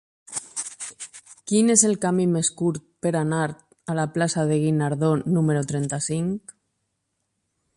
Quin és el camí més curt per anar a la plaça del Guinardó número trenta-cinc?